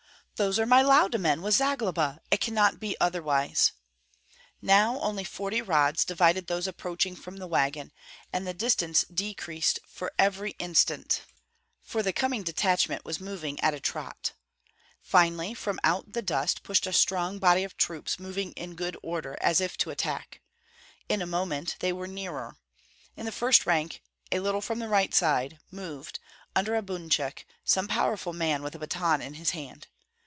"Those are my Lauda men with Zagloba! It cannot be otherwise!" Now only forty rods divided those approaching from the wagon, and the distance decreased every instant, for the coming detachment was moving at a trot. Finally, from out the dust pushed a strong body of troops moving in good order, as if to attack. In a moment they were nearer. In the first rank, a little from the right side, moved, under a bunchuk, some powerful man with a baton in his hand.